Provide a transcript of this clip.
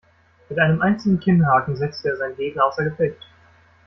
Mit einem einzigen Kinnhaken setzte er seinen Gegner außer Gefecht.